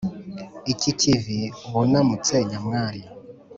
iki kivi wunamutse nyamwari